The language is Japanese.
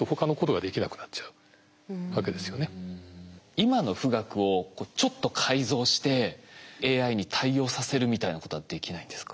今の富岳をちょっと改造してＡＩに対応させるみたいなことはできないんですか？